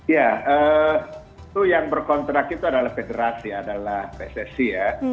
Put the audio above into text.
ya itu yang berkontrak itu adalah federasi adalah pssi ya